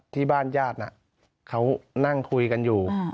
ที่บ้านญาติน่ะเขานั่งคุยกันอยู่